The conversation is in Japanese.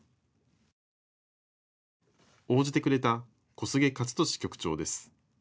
応じてくれた小菅勝利局長です。